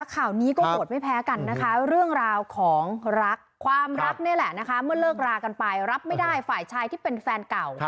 ข่าวนี้ก็โหดไม่แพ้กันนะคะเรื่องราวของรักความรักนี่แหละนะคะเมื่อเลิกรากันไปรับไม่ได้ฝ่ายชายที่เป็นแฟนเก่า